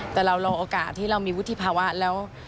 แต่เรารอโอกาสที่เรามีวุฒิภาวะแล้ว